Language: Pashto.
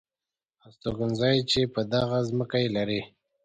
استوګنځي چې په دغه ځمکه یې لرئ .